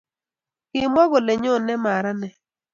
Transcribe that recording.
Kimwa kole nyonei maranet